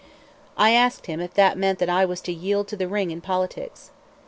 I asked him if that meant that I was to yield to the ring in politics.